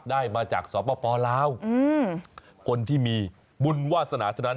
ได้มาจากสวปปลาวคนที่มีมุลวาสนาธนัน